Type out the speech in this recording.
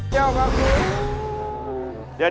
เจ้าข้าวพิษ